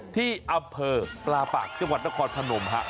ที่อำเภอปลาปากจังหวัดนครพนมฮะ